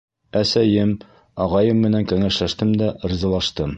Әсәйем, ағайым менән кәңәшләштем дә ризалаштым.